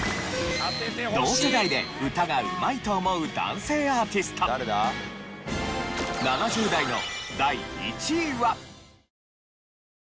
同世代で歌がうまいと思う男性アーティスト７０代の。